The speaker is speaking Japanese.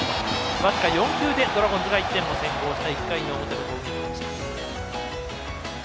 僅か４球でドラゴンズが１点先制して１回の表の攻撃でした。